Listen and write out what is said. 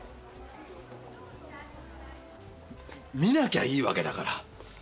見なきゃいいわけだから。